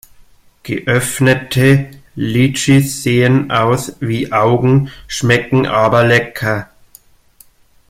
Geöffnete Litschis sehen aus wie Augen, schmecken aber lecker.